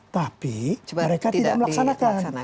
tapi mereka tidak melaksanakan